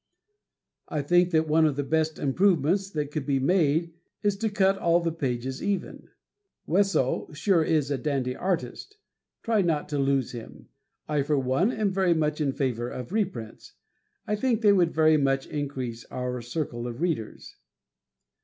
I think that one of the best improvements that could be made is to cut all the pages even. Wesso sure is a dandy artist. Try not to lose him. I, for one, am very much in favor of reprints. I think they would very much increase our circle of readers.